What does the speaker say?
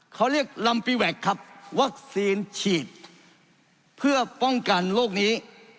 เขาเรียกลำปีแวคครับวัคซีนฉีดเพื่อป้องกันโรคนี้